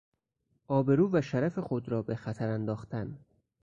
آبرو و شرف خود را به خطر انداختن